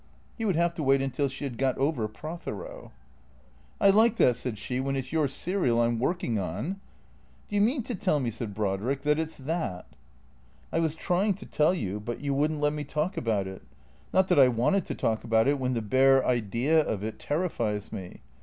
He would have to wait until she had got over Prothero. " I like that," said she, " when it 's your serial I 'm working on." "Do you mean to tell me," said Brodrick, "that it's that?" " I was trying to tell you, but you would n't let me talk about it. Not that I wanted to talk about it when the bare idea of it terrifies me.